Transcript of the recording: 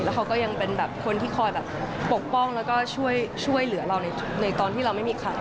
เขาก็ยังเป็นแบบคนที่คอยแบบปกป้องแล้วก็ช่วยเหลือเราในตอนที่เราไม่มีใคร